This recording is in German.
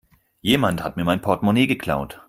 Jemand hat mir mein Portmonee geklaut.